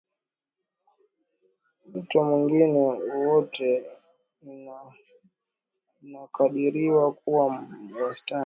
mto mwingine wowote Ina Inakadiriwa kuwa wastani